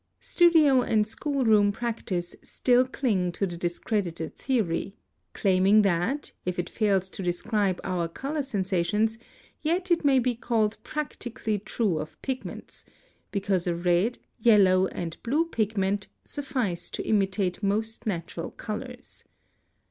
Studio and school room practice still cling to the discredited theory, claiming that, if it fails to describe our color sensations, yet it may be called practically true of pigments, because a red, yellow, and blue pigment suffice to imitate most natural colors.